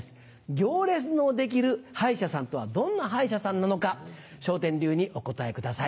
行列の出来る歯医者さんとはどんな歯医者さんなのか笑点流にお答えください。